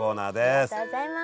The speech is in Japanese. ありがとうございます。